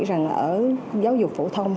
rằng ở giáo dục phổ thông